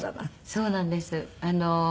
そうなんです。